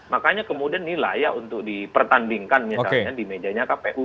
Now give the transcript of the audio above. makanya kemudian ini layak untuk dipertandingkan misalnya di mejanya kpu